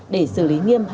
để xử lý nghiêm